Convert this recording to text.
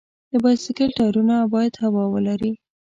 د بایسکل ټایرونه باید هوا ولري.